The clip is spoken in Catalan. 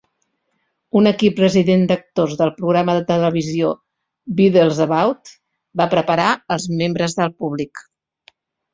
Un equip resident d'actors del programa de televisió Beadle's About! va preparar als membres del públic.